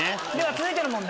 続いての問題